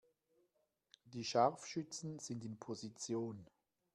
Die Scharfschützen sind in Position.